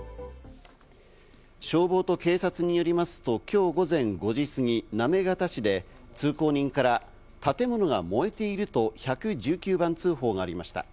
消防と警察によりますと今日午前５時過ぎ、行方市で通行人から、建物が燃えていると１１９番通報がありました。